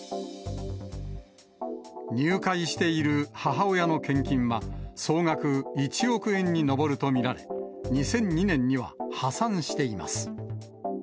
入会している母親の献金は、総額１億円に上ると見られ、２００２年には破産しています。